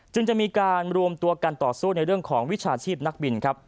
จะมีการรวมตัวกันต่อสู้ในเรื่องของวิชาชีพนักบินครับ